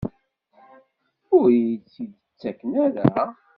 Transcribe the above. Ur iyi-tt-id-ttaken ara?